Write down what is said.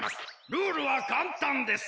ルールはかんたんです。